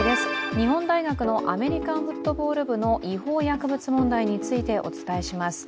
日本大学のアメリカンフットボール部の違法薬物問題についてお伝えします。